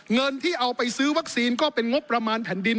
เงินที่เอาไปซื้อวัคซีนก็เป็นงบประมาณแผ่นดิน